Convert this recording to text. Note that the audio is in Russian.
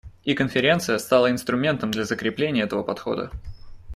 И Конференция стала инструментом для закрепления этого подхода.